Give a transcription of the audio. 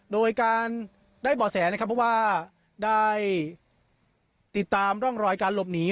โดยการได้บ่อแสนะครับเพราะว่าได้ติดตามร่องรอยการหลบหนี